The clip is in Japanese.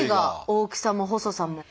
大きさも細さも。